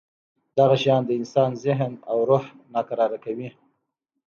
دغه شیان د انسان ذهن او روح ناکراره کوي.